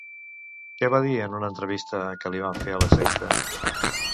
Què va dir en una entrevista que li van fer a La Sexta?